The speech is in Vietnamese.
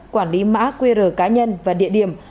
quản lý mã qr cá nhân và địa điểm